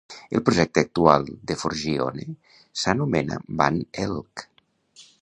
El projecte actual de Forgione s'anomena Van Elk.